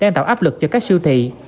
đang tạo áp lực cho các siêu thị